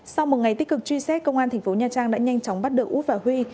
sau một ngày tích cực truy xét công an thành phố nha trang đã nhanh chóng bắt được út và huy